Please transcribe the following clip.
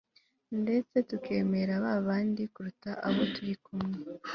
ndetse tukemera ba bandi kuruta abo turi kumwe